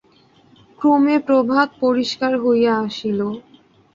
ক্রমে প্রভাত পরিষ্কার হইয়া আসিল।